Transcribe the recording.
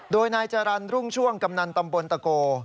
โดยนายจรรย์รุ่งช่วงกำนันตำบลตะโก